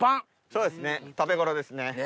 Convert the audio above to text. そうですね食べ頃ですね。